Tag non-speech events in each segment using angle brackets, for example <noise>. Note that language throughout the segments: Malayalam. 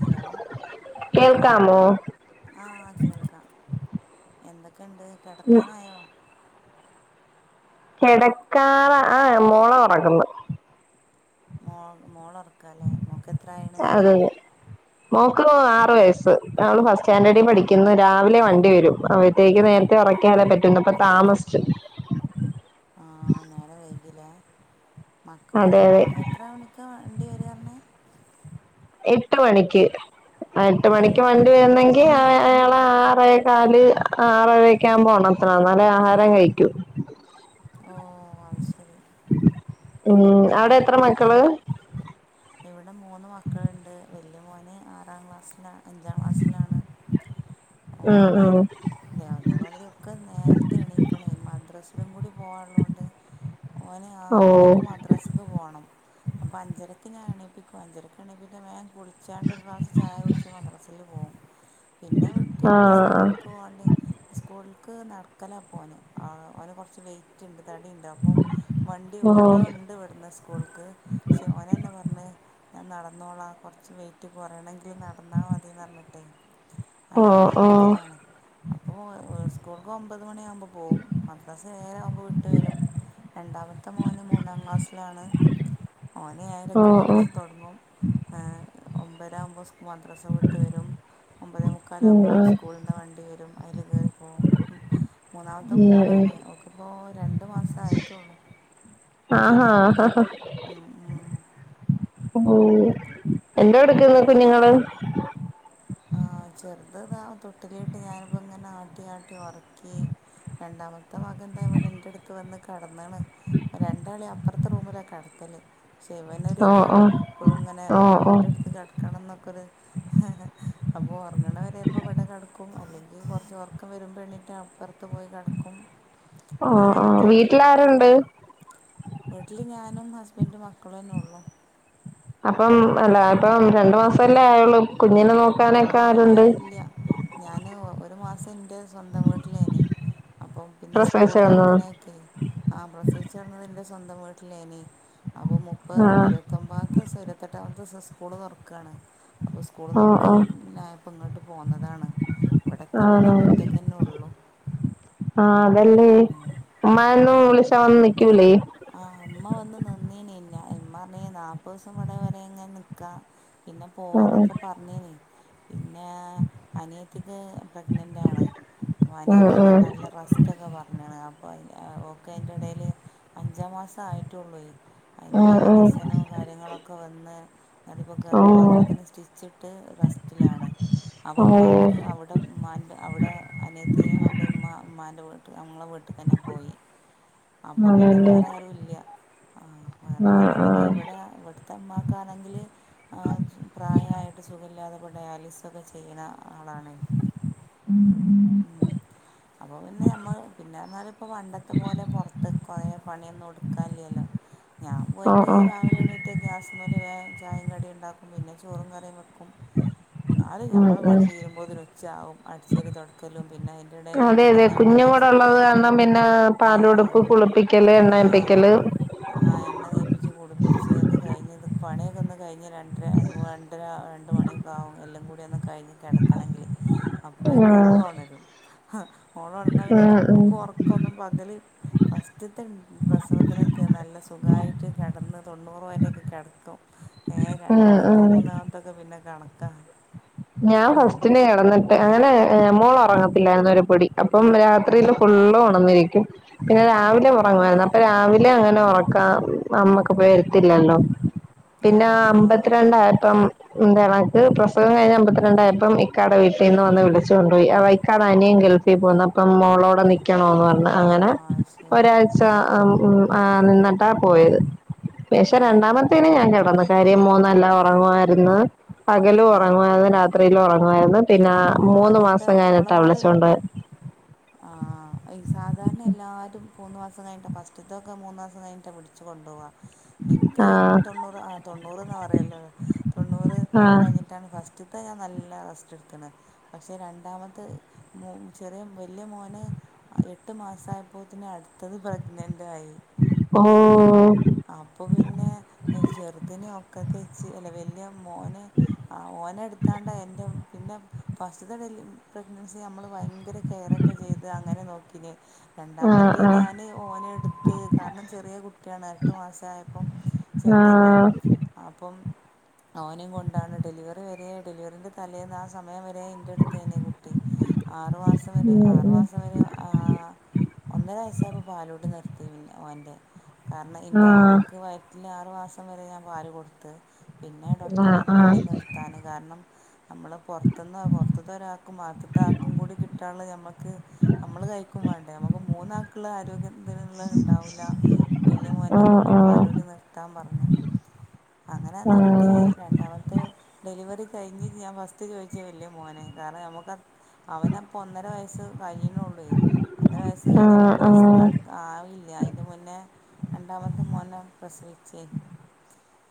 ഹലോ കേൾക്കാമോ ആഹ് കേൾക്ക എന്തൊക്കെണ്ട് കെടക്കാനായോ കിടക്കാറ ആ മോളൊറങ്ങ്ന്ന് മോൾ മോളറൊക്കല്ലേ മോ എത്രായിണ് അതെ അതെ മോക്ക് ആറ് വയസ്സ് അവള് ഫസ്റ്റ് സ്റ്റാൻഡേഡിൽ പഠിക്കുന്ന് രാവിലെ വണ്ടി വരും അവ ത്തേക്ക് നേര്ത്തെ ഒറയ്ക്ക്യാലേ പറ്റു പ്പതാമസ്ച്ചു ആഹ് നേരം വൈകില്ലേ മക്കക്ക് അതെ ആ അതെ എത്ര മ ക്ക വണ്ടി വരാർണ് എട്ട് മണക്ക് അ എട്ട് മണിക്ക് ഉം വണ്ടി വര്നങ്കി അവ അയാളെ ആറേകാല് ആറരക്ക്യാകുമ്പോ ഒണർത്തണം ന്നാലേ ആഹാരം കഴിക്യു ഓഹ് അത് ശരി ഉം അവടെത്ര മക്കള് ഇവിടെ മൂന്ന് മക്കള്ണ്ട് വലിയ മോന് ആറാം ക്ലാസ്സിലാ അഞ്ചാ ക്ലാസ്സിലാണ് ഉം ഓന് ഉം അതേമാതിരി ഒക്കെ നേർത്തെ എണീക്കണേ മദ്രസലും കൂടി പോവാൺള്ളോണ്ട് ഓന് ഓ ആറ് മണിക്ക് മദ്രസക്ക് പോകണം അപ്പ അഞ്ചര ക്ക് ഞാൻ എണീപ്പിക്കു അഞ്ചരക്കാണിപിടെ വേം കുളിച്ചാണ്ട് ഒര്ഗ്ലാസ് ചായുടിച്ച് മദ്രസൽ പോകും പിന്നെ ആ വിട്ടിട്ട് സ്കൂൾക്ക് പോവാണ്ട് സ്കൂൾക്ക് നടക്കലാ പോന് ആഹ് ഓനെകൊർച്ച് വെയി റ്റ്ണ്ട് തടിണ്ടപ്പോ വണ്ടി ഓ ഓട്ടോണ്ട്പട്ന്ന് സ്‌കൂൾക്ക് ക്ഷേ മ ഏന്ന് പറഞ്ഞഅ് ഞാനടന്നോളാ കൊർച്ച് വെയ്റ്റ് കൊറയണങ്കിൽ നടന്നാ മതിന്നർഞ്ഞിട്ടയ് ഓ അങ്ങനെ ഓ ഓ നടക്കലാണ് അപ്പൊ ഓ വേ സ്കൂൾക്ക് ഒമ്പത് മണിയാമ്പോ പോകും മദ്രസഏരാമ്പോ വിട്ട് വരും രണ്ടാമത്തെ മോന് മൂന്നാം ക്ലാസ്സ്ലാണ് ഓന് ഓ ഏഴരക്ക് മദ്രസ തൊടങ്ങും ഏഹ് ഒമ്പരാമ്പോസ് മദ്രസ വിട്ട് വരും ഒമ്പതേ മു ഉം ക്കാലാമ്പോ ഉം സ്കൂൾൻ്റെ വണ്ടി വരും അയില് കേറിപ്പോവും മൂന്നാമത്തെ ഉം ഉം മോളാണ് ഓൾക്ക്പ്പോ രണ്ട് മാസായിറ്റൊള്ളു ആഹാ ചെറിയ കുട്ട്യാ ഉം ഉം ഔ എന്തോ എടുക്ക്ന്ന് കുഞ്ഞ്ങ്ങള് ആഹ് ചെറുത് താ തൊട്ടിലിട്ട് ഞാൻപ്പോ ങ്ങനെ ആട്ടി ആട്ടി ഒറക്കി രണ്ടാമത്തെ മകൻതാവിടെ ൻ്റട്ത്ത് വന്ന് കടന്ന്ണ് രണ്ടാളി അപ്പർത്തെ റൂമിലാ കടത്തല് ക്ഷേ ഓ ഓ ഇവനൊര്താണ് എപ്പഴുങ്ങനെ ഓ ഉം ഓ ന്റെട്ത്ത് കടക്കണംന്നൊക്കൊര് അപ്പൊ ഒർങ്ങണവരെൽപം പടെ കടക്കും അല്ലെങ്കി കൊർച്ച് ഒർക്കം വരുമ്പോ എണ്ണീറ്റ് അപ്പ ത്തു പോയി കെടക്കും ആ ആ വീട്ടില് ആരുണ്ട് വീട്ടില് ഞാനും ഹസ്ബൻഡും മക്കളന്നേള്ളൂ അപ്പം അല്ല അപ്പം രണ്ട്മാസംല്ലേ ആയുള്ളൂ കുഞ്ഞിനെ നോക്കാനെ ക്കെ ആരുണ്ട് ഞാന് ഒരു മാസൻ്റെ സ്വന്തം വീട്ടിലേനി അപ്പം പിന്നെ പ്രസവിച്ച് സ്കൂള് കിടന്നോ തെർക്ക്ണേക്കെയ് ആഹ് പ്രൊസവിച്ചട്ന്നത് ന്റെസ്വന്തം വീട്ടിലേനി അപ്പൊ മുപ്പദ് ആഹ് ഇരുപ ത്തൊമ്പാത് സം ഇരുവത്തെട്ടാംത്തെസം സ്കൂളൊർക്കാണ് അപ്പോ സ്കൂള് ഓ തൊർ ഓ ഇഞായപ്പങ്ങോട്ട് പോന്നതാണ് ഇവിടെ ത്യപ്പോ ആണോ ഞാഒറ്റക്കന്നെള്ളു ആഹ് അതല്ലേ. ഉമ്മയൊന്നും വിളിച്ച ഉള്ളു വന്ന് നിക്കൂലേ. ആ ഉമ്മ വന്ന് നിന്നീനില്ല. ഇമ്മ പറഞ്ഞ് നാപ്പത് ദിവസം ഇവിടെ വരെങ്ങ് നിക്കാം പിന്നെ ആഹ് പോവാന്നൊക്കെ പ <unintelligible> പിന്നെ അനിയത്തിക്ക് പ്രഗ്നന്റാണ്. പ്പോ ആഹ് അനിയത്തിക്ക് ആഹ് നല്ല റസ് റ്റൊക്കെ പറഞ്ണ് അപ്പ അയ്ന് ഓൾക്ക് അയിന്റടേൽ അഞ്ചാം മാസം ആയിട്ടുള്ളേയ് അയ്ന്റെടേല് ആഹ് വികസനോം കാര്യങ്ങളൊക്കെ വന്ന് ന്നിട്ട്പ്പോ ആഹ് ഓ ഗർഭപാത്രത്തിന് സ്റ്റി റ്റിച്ചിട്ടു റെസ്റ്റിലാണ് അപ്പൊ ഓ ഉമ്മാക്ക് അവിടെ ഉമ്മാൻ്റെ അവടെ അനിയത്തിയേം കൊണ്ട് ഉമ്മാ ഉമ്മാൻ്റെ വീട്ടു ഞങ്ങളെ വീട്ടിക്കന്നെ പോയി അപ്പൊ പിന്നെ ആണല്ലേ വേറെ ആരുംല്ല ആഹ് <unintelligible> പിന്നെ ഇവിടെ ഇവിടത്തെമാക്കാണെങ്കിൽ പ്രായായി സുഖ ഇല്ലാതെ കൊണ്ട് ഡയാലിസൊക്കെ ചെയ്യ്ണ ആളാണ് ഉമ് അപ്പൊ പിന്നെ നമ്മൾ പിന്നെന്നാലും പ്പ പണ്ടത്തെ പോലെ പുറത്ത് കൊറെേ പണിഒന്നുംട്ക്കാനില്ലല്ലോ ഞാൻ ഓ പോയിട്ട ഓ രാവിലെ എണീട്ട് ഗ്യാസ്മ്മൽ വേം ചായിം കടിം ണ്ടാക്കും പിന്നെ ചോറും കറിം വെ ന്നാലും ഉം ഞമ്മളെ ഉം പണി തീരുമ്പോത്തിനുംച്ചാകും അടിച്ചേരി തോട്ക്കലും പിന്നെ വരുടെ അതെ അതെ കുട്ടിനൊന്ന് എണ്ണ കുഞ്ഞും കൂടെ തേച്ച് ഉള്ളത് കാരണം കുളിപ്പിക്കും പിന്നെ ആ പാലുടുപ്പ് കുളിപ്പിക്കല് ഹ്ആഹ് എണ്ണയിപ്പിക്കല് ആ എണ്ണ തേപ്പിച്ച് കുളിപ്പിച്ച് ഒക്കെ കയിഞ് പണിയൊക്കോന്ന് കയ്ഞ്ഞ് രണ്ട് രണ്ടര മണി ഒക്കെ ആവും എല്ലംകൂടി ഒന്ന് കയിഞ്ഞു കിടക്കണെങ്കിൽ ഉം അപ്പോഴേക്കും ഓളോണരും ആ ഓളോണർന്നാ പിന്നെ ഉം ഉം ഞമ്മക്കോറക്കോന്നും പകല് ഫസ്റ്റ് ത്തെ പ്രസവത്തിനൊക്കെ നല്ല സുഖായിട്ട് കിടന്ന് തൊണ്ണൂറ് വരെക്കെ കിടക്കും ഏ ഉം രണ്ടാമത്തോ ഉം മൂന്നാമത്തൊക്കെ പിന്നെ കണക്കാ ഞാൻ ഫസ്റ്റിന് കടന്ന് അങ്ങനെ മോളോറങ്ങത്തില്ലായിരുന്നോരു പൊടി അപ്പം രാത്രിയില് ഫുള്ള് ഉണർന്നിരിക്കും പിന്നെ ഓ രാവിലെ ഉറങ്ങുവായിരുന്നു അപ്പൊ രാവിലെ അങ്ങനെ ഉറക്കാ അമ്മക്ക് <unintelligible> വരുത്തില്ലല്ലോ ആ പിന്നെ ആ ആ അമ്പത്രണ്ടായപ്പോ എണക്ക് പ്രസവം കഴിഞ്ഞ അമ്പത്രണ്ടായപ്പോ ഇക്കാടെ വീട്ടീന്ന് വന്ന് വിളിച്ചു <unintelligible> നിയൻ ഗൾഫിൽ പോന്നപ്പോ മോളോടെ നി ഓ <unintelligible> അങ്ങനെ അത് ശരി ഒരാഴ്ച ഉം മ്മ് ആഹ് ന്നിട്ടാ പോയത് പക്ഷേ ഉം രണ്ടാമത്തേന് ഞാൻ കിടന്ന കാര്യം മോന് നല്ലോം ഉറങ്ങുവായിരുന്നു പകലും ആ ഉറങ്ങുവായിരുന്നു രാത്രിയിലും ഉറങ്ങുവായിരുന്നു പിന്നെ അപ്പം മൂന്ന് ആദ്യത്തെ മാസം കഴിഞ്ഞിട്ടാ വിളിച്ചോണ്ടോ ആഹ് ഈ സാധാരണ എല്ലാരും മൂന്നു മാസം കഴിഞ്ഞട്ട ഫസ്റ്റുത്തൊക്കെ മൂന്ന് മാസം കഴിഞ്ഞട്ട പിടി ച്ച് കൊണ്ടോവാ എനിക്ക് തൊണ്ണൂറ് ആ തൊണ്ണൂറ്ന്നാറയല്ലോ തൊണ്ണൂറ് കഴിഞ്ഞി <unintelligible> ഫസ്റ്റുത്തെ ഞാൻ നല്ല റസ്റ്റ് ക്കണ് പക്ഷെ രണ്ടാമത്തയ് മോ ചെറിയ വെല്ല്യ മോന് എട്ട് മാസായപ്പോത്തിന് അടുത്തത് പ്രഗ്നന്റ് ആയി ഏഹ് പോയെ അ പ്പോ പിന്നെ ചെറുതിനെ ഒക്കത്തച്ചു അല്ല വെല്ല്യ മോന് ആഹ് ഓനെ എട്ത്താണ്ട എന്റെ പിന്നെ ഫസ്റ്റ്ത്തെ ഡെലി പ്രഗ്നൻസി നമ്മള് ഭയങ്കര കെറോക്കെ ചെയ്ത് അങ്ങനെ നോക്കിനെ ആഹ് ആഹ് ഓ രണ്ടാമത്ത ആഹ് ആഹ് ഞാന് ഓനെ എട്ത്ത് കാരണം ചെറിയ കുട്ട്യാണ് എട്ടു മാസായപ്പം ആഹ് അപ്പം ഓനെ കൊണ്ടാണ്. ഡെലിവറി വരെ ഡെലിവറിന്റെ തലേന്ന് ആ സമയം വരെ ന്റെടുത്തയിനി കുട്ടി ആറു മാസം വരെ ഉം ആറു ഉം മാസം വരെ ആ ഒന്നരയസ്സവുമ്പോ പാലുടി നിർത്തി പിന്നെ ഓൻ്റെ കാരണം ഇന്റെ ആഹ് ഇന്ക്ക് വയറ്റിലാറു മാസം വരെ ഞാൻ പാല് കൊടുത്ത് പിന്നെ ഡോക്ടർ പറഞ്ഞു ആഹ് ഇഞ്ഞി നിർത്താന് കാരണം നമ്മള് പൊറത്‍ന്ന പോറത്ത്ത്തരാക്കും ഔത്ത്ത്തെ ആക്കും കൂടി കിട്ടാന്ള്ളയ് ഞമ്മക്ക് ഞമ്മള് കഴിക്കും വേണ്ടേ നമുക്ക് മൂന്നാക്ക് മക്കള് ആരോഗ്യത്തിനുള്ള ഇണ്ടാവില്ല. വലിയ മോൻ്റെ ആഹ് ആഹ് ആഹ് ആഹ് ആഹ് കുടി ആഹ് പാലുടി നിർത്താൻ പറഞ്ഞ്. അങ്ങനാ നിർ ത്തീ രണ്ടാമത്തെ ഡെലിവറി കഴിഞ്ഞ്, ഞാൻ ഫസ്റ്റ് ചോദിച്ച് വല്ല്യ മോനെ കാരണം നമുക്ക് അവനപ്പ ഒന്നര വയസ്സ് കഴിയ്ണള്ളൂ. ഒന്നര വയസ്സ് കഴിഞ്ഞ് രണ്ടു വയസ് അടു ആവില്ല, അയിന്റെ മുന്നേ രണ്ടാമത്തെ മോനെ പ്രസവിച്ചേ.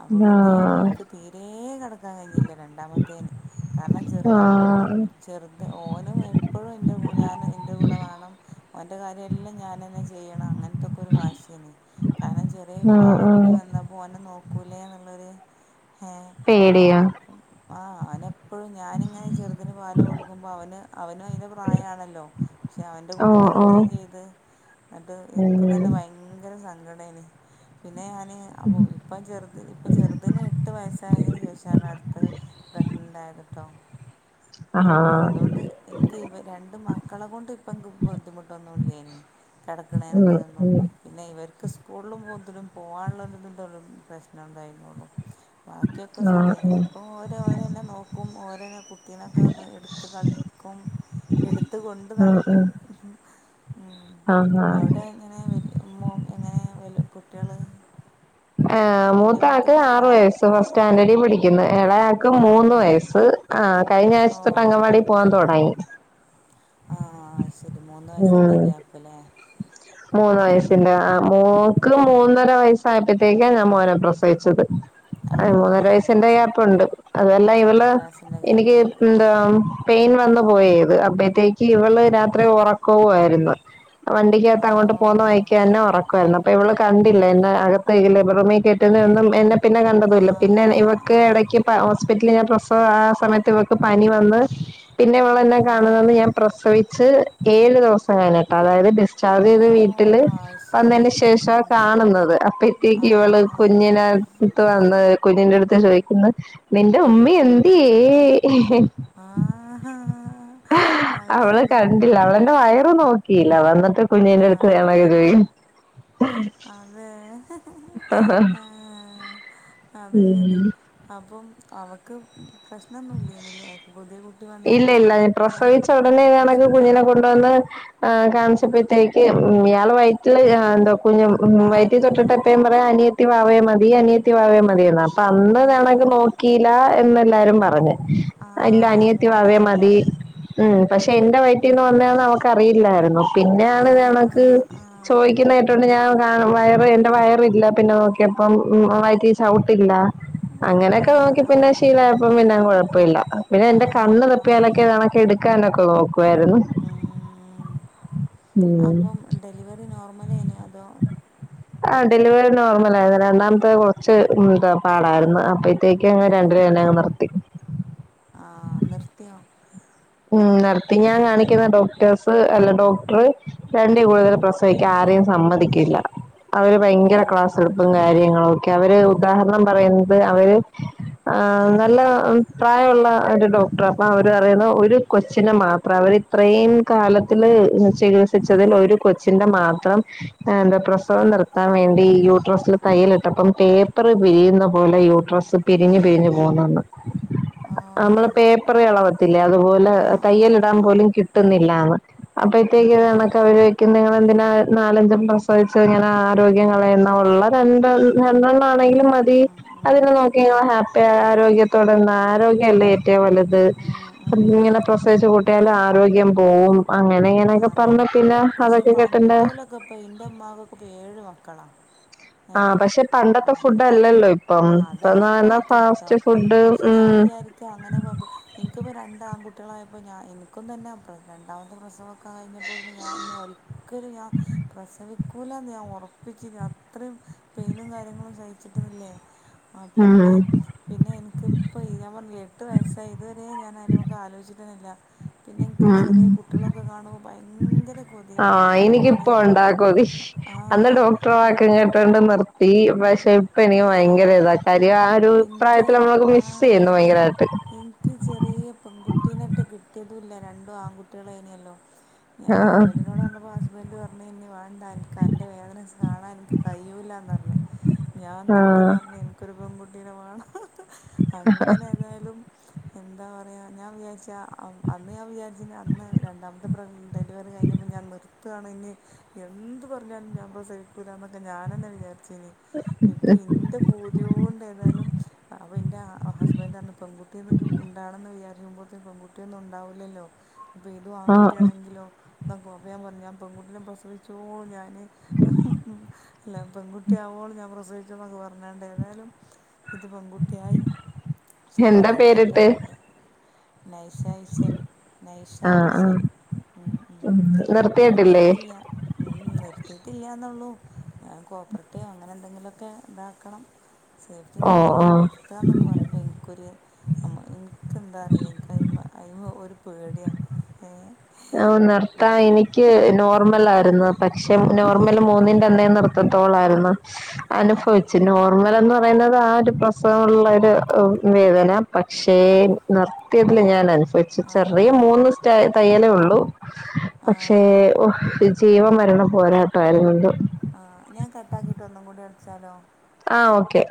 അപ്പൊ ആഹ് പിന്നെ ആഹ് ഇനിക്ക് തീരെ കടക്കാൻ കഴിഞ്ഞില്ല രണ്ടാമത്തേന്. കാരണം ചെറുതാൻ, ആഹ് ചെറുത് ഓനും എപ്പോഴും എൻ്റെ ഞാൻ എൻ്റെ കൂടെ വേണം. അവന്റെ കാര്യം എല്ലാം ഞാൻ തന്നെ ചെയ്യണം. അങ്ങനത്തൊക്കെ ഒരു വാശിയനി കാരണം ചെറിയ വാവേ കൂടി ആഹ് വന്നപ്പോൾ ഓനെ നോക്കൂലേ എന്നുള്ളൊരു. ഏ പേടിയോ അപ്പം. ആ അവനെപ്പഴും ഞാനിങ്ങനെ ചെറുതിന് പാല് കൊടുക്കുമ്പോ അവന് അവനും അയിന്റെ പ്രായാണല്ലോ. പക്ഷെ അവന്റെ കുടി ഓഹ് നിർത്തി ഓഹ് ചെയ്ത് ങ്ങട്ട് എനിക്കും തന്നെ ഉം ഭയങ്കര സങ്കടേയിനി പിന്നെ ഞാന് ആ പോയി. ഇപ്പം ചെറുത്, ഇപ്പം ചെറുതിന് എട്ട് വയസ്സായതിന് ശേഷാണ് അടുത്തത് പ്രഗ്നന്റ് ആയത്ട്ടോ ഇപ്പൊ ആഹ് അതുകൊണ്ട് എനിക്ക് ഇവ രണ്ട് മക്കളെ കൊണ്ട് ഇപ്പ എനിക്ക് ബുദ്ധിമുട്ടൊന്നുല്ലെനി കെടക്ക്നെയ്ന് ഉം ഇതിനൊന്നും ഉം പിന്നെ ഇവർക്ക് സ്കൂളിലും ഓത്തിലും പോകാനുള്ള ഇതിന്റെ പ്രശ്നം ഉണ്ടായിരുന്നുള്ളു. ബാക്കിയൊക്കെ ആഹ് സുഖേന ഉം ഇപ്പൊ ഓരോ ഓരോന്നെ നോക്കും, ഓരോന്നെ കുട്ടിനൊക്കെ ഒന്ന് എടുത്ത് കളി ക്കും എടുത്ത് കൊണ്ട് ഉം ഉം നടക്കും. ഉ ആഹ് അവിടെ അങ്ങനെ വലിയ എങ്ങനെ വല്യ കുട്ടികള് മൂത്ത ആക്ക് ആറു ആ വയസ്സ് ഫസ്റ്റ് സ്റ്റാൻഡേർഡിൽ പഠിക്കുന്നു. ഇളയാക്ക് ആ മൂന്ന് ആ വയസ്സ്. ആ കഴിഞ്ഞ ആഴ്ച തൊട്ട് അംഗൻ വാടിയിൽ പോവാൻ ഓ തുടങ്ങി. ആ അതുശരി മൂന്ന് വയസിന്റെ ഉം ഗ്യാപ്പിലേ മൂന്ന് വയസ്സിന്റെ ആ മോക്ക് മൂന്നര വയസ്സ് പ്പത്തേക്കാണ് ഞാൻ മോനെ പ്രസവിച്ചത്. ആ അ ആ മൂന്നര വയസിന്റെ ഗ്യാപ്പുണ്ട്. ആ അതല്ലാം ഇവള് മൂന്നര വയസ്സിൻ്റെ എനിക്ക് ഗ്യാപ്പുണ്ട് ഉം. എന്താ പെയിൻ വന്ന് പോയത്. അപ്പോഴത്തേക്ക് ഇവള് രാത്രി ഉറക്കവുമായിരുന്നു. വണ്ടിക്കകത്ത് ഓ അങ്ങോട്ട് പോകുന്ന വഴി ന്നെ ഉറക്കമായിരുന്നു. അപ്പൊ ഇവള് കണ്ടില്ല എന്നെ അകത്ത് ലേബറൂമിൽ കയറ്റുന്ന ഒന്നും എന്നെ പിന്നെ ആ കണ്ടതുല്ല, പിന്നെ ആ ഇവക്ക് ആ ഇടയ്ക്ക് ഹോസ്പിറ്റലിൽ ഞാൻ പ്രസവം ആ സമയത്ത് ഇവക്ക് പനി വന്ന്. പിന്നെ ഇവള് എന്നെ ഓ കാണുന്നത് ഞാൻ പ്രസവിച്ച് ഏഴു ദിവസം കഴിഞ്ഞിട്ട് അതായത് ഡിസ്ചാർജ് ഓ ചെയ്ത് വീട്ടില് അത് ശരി വന്നതിന് ശേഷം ഉം. കാണുന്നത് അപ്പത്തേക്ക് ആ ഇവള് ആ കുഞ്ഞിനെ ടുത്ത് വന്ന് കുഞ്ഞിന്റെ അടുത്ത് ചോദിക്കുന്നു. നിന്റെ ഉമ്മി എന്തേ? ആഹ അയ് അവള് ശരി. കണ്ടില്ല അവളെന്റെ വയറ് നോക്കീല വന്നിട്ട് ആ കുഞ്ഞിന്റെ അടുത്ത്. <unintelligible> അതെ ആഹ് അത് ശരി. അപ്പം അവക്ക് പ്രശ്നൊന്നുമല്ലേനില്ലേ പുതിയ കുട്ടി ഇല്ല വന്നപ്പം ഇല്ല പ്രസവിച്ച ഉടനെ ഇതണക്ക് കുഞ്ഞിനെ ഇഷ്ടേനോ കൊണ്ടുവന്ന് ആഹ് കാണിച്ചപ്പോഴത്തേക്ക് ഇയാള് വയറ്റില് എന്താ കുഞ്ഞ് ആഹ് വയറ്റിൽ ആഹ് തൊട്ടിട്ടപ്പേ അനിയത്തി വാവേ മതി അനിയത്തി വാവേ മതിയന്നാ അപ്പൊ അന്ന് ആഹ് ഇതണക്ക് നോ ആഹ് ക്കീല എന്നല്ലാരും പറഞ്ഞ് അല്ല ആഹ് അനിയത്തി വാവേ മതി. മോനായപ്പം ഉം പക്ഷെ എന്റെ വയറ്റീന്ന് ഉം വന്നയാന്ന് അവക്കറിയില്ലായിരുന്നു പിന്നെയാണ് ആഹ് ഇതണക്ക്. ആഹ് ആഹ് ചോദിക്കുന്നതായിട്ടോണ്ട് ഞാൻ കാ വയറ് എന്റെ വയറില്ല പിന്നെ നോക്കിയപ്പം വയറ്റി ചവിട്ടില്ല. അങ്ങനൊക്കെ ആഹ് നോക്കി പിന്നെ ആഹ് ശീലായപ്പം പിന്നെ കുഴപ്പില്ല. പിന്നെ എന്റെ കണ്ണ് ആഹ് അത് തപ്പിയാനൊക്കെ ശരി ഇതണക്കെ എടുക്കാനൊക്കെ നോക്കുമായിരുന്നു. ഉം ഉം അപ്പം ഡെലിവറി നോർമലേനോ അതോ ആഹ് ഡെലിവറി നോർമൽ ആയിരുന്നു രണ്ടാമത്തെ കുറച്ച് എന്താ പാടായിരുന്നു അപ്പൊ ത്തേക്ക് അ ആഹ് രണ്ടിനു തന്നെ അങ്ങ് നിർത്തി. ആഹ് നിർത്തിയോ ഉം നിർത്തി ഞാൻ കാണിക്കുന്ന ഡോക്ടേഴ്സ് അല്ല ഡോക്ടറ് രണ്ടീ കൂടുതൽ ഉം പ്രസവിക്കാ ആരേെയും സമ്മതിക്കില്ല. അവര് ഭയങ്കര ക്ലാസ് ഓഹ് എടുപ്പും കാര്യങ്ങളും ഒക്കെ അവര് ഉദാഹരണം പറയുന്നത് അവര്. ആഹ് നല്ല പ്രായമുള്ള ഒരു ഡോക്ടർ അപ്പ അവര് പറയ്ണു. ഒരു കൊച്ചിനെ മാത്രം അവര് ഇത്രയും കാലത്തിന് ചികിത്സിച്ചതിൽ ആഹ് ഒരു കൊ ച്ചിന്റെ മാത്രം എന്താ പ്രസവം നിർത്താൻ വേണ്ടി യൂട്രെസിൽ തയ്യലിട്ടപ്പം പേപ്പ് പ്പർ പിരിയുന്ന പോലെ യൂട്രസ് പിരിഞ്ഞ് പിരിഞ്ഞ് പോകുന്നന്ന്. <inaudible> നമ്മള് ആഹ് പേപ്പറ് എളവത്തില്ലേ അതുപോലെ ആഹ് ആഹ് തയ്യലിടാൻ ആഹ് പോലും കിട്ടുന്നില്ലാന്ന്. അപ്പഴത്തേക്ക് ആഹ് ഇതണക്ക് അവരോയിക്കും നിങ്ങളെന്തിനാ നാലഞ്ചും പ്രസവിച്ച് ഇങ്ങനെ ആരോഗ്യം കളയുന്ന ഉള്ള രണ്ട് രണ്ടെണ്ണം ആണെങ്കിലും ഉം മതി ഉം ഉം അതിനെ നോക്കി ഇങ്ങ ഉം ഹാപ്പി ആയ ആരോഗ്യത്തോടെ നിന്നാ ആരോഗ്യല്ലേ ഏറ്റവും വലുത് ഉം ഉം ഇങ്ങനെ പ്രസവിച്ചു കൂട്ടിയാല ആരോഗ്യം പോവും അങ്ങനെ. ഇങ്ങനൊക്കെ അതെ പറഞ്ഞ പിന്ന അതൊക്കെ കേട്ടെന്റ ഇപ്പൊ എന്റെ ഉമ്മാവക്ക് ഇപ്പ ഏഴ് മക്കളാ. ആഹ് പഷെ പണ്ടത്തെ ഫുഡ് അല്ലല്ലോ ഇ ആഹ് അതാ അത് മാറ്റണ്ട് ട്ടോ പക്ഷെ ഞാൻ ഉം വിചാരിക്ക അങ്ങനെ എനിക്കിപ്പോ രണ്ട് ആൺകുട്ടികളായപ്പ ഞാ എനിക്കും തന്നെ രണ്ടാമത്തെ പ്രസവോക്കെ കഴിഞ്ഞപ്പോത്തിന് ഞാൻ ഇൻ ജോ ക്കല് ഞാ പ്രസവിക്കൂല ഞാൻ ഉറപ്പിച്ച് ഞാൻ അത്രയും പെയിനും കാര്യങ്ങളും സഹിച്ചിട്ടുന്നില്ലേ. ആഹ് ഉം പിന്നെ. പിന്നെ എനക്കിപ്പോ ഈ ഞാൻ പറഞ്ഞില്ല എട്ട് വയസ്സായി ഇതുവരെ ഞാൻ അതിനുമുക്ക് ആലോയിച്ചിട്ടന്നുന്നില്ല. പിന്നെ എനിക്ക് ഉം ഉം ചെറിയ കുട്ടികളൊക്കെ കാണുമ്പോൾ ഭയങ്കര കൊതിയാ ആഹ് പിന്നെ എനിക്കിപ്പോ ഒണ്ടാ ആ കൊതി ആ അന്ന് ഡോക്ടറ വാക്കും ഈ കേ വീണ്ടും നിർത്തി പഷെ ഇപ്പൊ ആ എനിക്ക് ഭയങ്കര ഇതാ കാര്യം ആ ഒരു എനിക്ക് പ്രായത്തിൽ നമ്മളൊക്കെ ആ മിസ്സെയ്യുന്നു അതെ ഭയങ്കരായിട്ട്. എനിക്ക് ചെറിയ പെൺകുട്ടീനൊട്ടെ കിട്ടിയതൂല്ല രണ്ടും ആൺകുട്ടികളായിനിയല്ലോ. ഞാൻ ആഹ് ഹസ്ബൻഡിനോട് പറഞ്ഞപ്പോ ഹസ്ബന്റ് പറഞ്ഞ് ഇനി വേണ്ട എനിക്ക് അൻ്റെ വേദന കാണാൻ എനിക്ക് കഴിയൂല്ലാന്ന് പറഞ്. ഞാൻ എന്നിട്ട് ആഹ് പറഞ്ഞ് എനിക്കൊരു പെൺകുട്ടീനെ വേണ അങ്ങനെ എന്തായാലും എന്താ പറയാ ഞാൻ വിചാരിച്ച് ആ അ അന്ന് ഞാൻ വിചാരിച്ചിന് അന്ന് രണ്ടാമത്തെ ഡെലിവറി കഴിഞ്ഞപ്പോൾ ഞാൻ നിർ ത്താണ് ഇനി എന്ത് പറഞ്ഞാലും ഞാൻ പ്രസവിക്കൂലാന്നൊക്കെ ഞാനെന്നെ വിചാരിച്ചീനി. ഇപ്പൊ എന്ത് പൂതിയോണ്ട് ഏതാലും. അപ്പ എന്റെ ഹസ്ബന്റ് അന്ന് പെൺകുട്ടീന്ന്ക്ക് ഉണ്ടാണെന്ന് വിചാരിക്കുമ്പോത്തെ പെൺകുട്ടിയൊന്നും ഉണ്ടാവൂലല്ലോ. ഇപ്പൊ ഇതും ആഹ് ആൺകുട്ടിയാണെങ്കിലോ എന്ന <unintelligible> ഞാൻ പെൺകുട്ടിനെ പ്രസവിച്ചോ ഞാൻ ല്ല പെൺകുട്ടി ആവോള് ഞാൻ പ്രസവിച്ചോന്നൊക്കെ പറഞ്ഞൊണ്ടെ ഏതായാലും. ഇത് പെൺകുട്ടിയായി പക്ഷെ ഞാൻ എന്താ പേരിട്ട്? നിർത്തിയിട്ടൊന്നു ഇല്ല്യ. നൈസ ഇഷൽ നൈഷ ആഹ് ആഹ് ഇഷൽ ഉം ഉം നിർത്തിയിട്ടില്ല്യ ഉം നിർത്തിയിട്ടില്ലന്നുള്ളൂ ഞാൻ കോപ്പർടീയോ അങ്ങനെ എന്തെങ്കിലും ഒക്കെ ഇതാക്കണം സേഫ്റ്റി ഓഹ് നോക്കണം ഓഹ് നിർത്തുക എന്നൊക്കെ പറയുമ്പോൾ എനിക്കൊരു. അമ്മ എനിക്ക് എന്താ അറയില്ല എനിക്ക് അയ്മ അയമൊരു പേടിയാണ് ഏ ഓ നിർത്താ ഡൽഹി എനിക്ക് നോർമൽ ആരുന്നു പക്ഷെ ആ നോർമല് മൂന്നി തന്നെ നിർത്തത്തോളായിരുന്നു ആ ആ അനുഭവിച്ച് നോ അമ്മലന്ന് പറയുന്നത് ആഹ് ഒരു പ്രസവമുള്ള ഒരു വേദന പക്ഷേ നിർ ത്യതിൽ ഞാൻ അനുഭവിച്ചു ആ ചെറിയ ആ മൂന്ന് സ്റ്റ തയ്യലേ ഉള്ളൂ. ആ പക്ഷേ ജീവ മരണ പോരാട്ടമായിരുന്നു എന്തോ ആഹ് ഞാൻ കട്ടാക്കിയിട്ട് ഒന്നും കൂടി വിളിച്ചാലോ? ആഹ് ഓക്കെ.